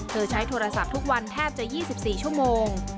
ใช้โทรศัพท์ทุกวันแทบจะ๒๔ชั่วโมง